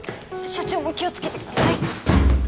社長も気をつけてください。